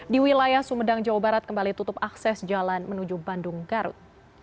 di wilayah sumedang jawa barat kembali tutup akses jalan menuju bandung garut